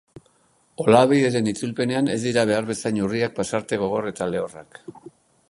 Olabideren itzulpenean ez dira behar bezain urriak pasarte gogor eta lehorrak.